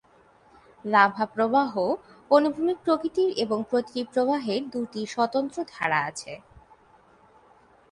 Lava প্রবাহ অনুভূমিক প্রকৃতির এবং প্রতিটি প্রবাহের দুটি স্বতন্ত্র ধারা আছে।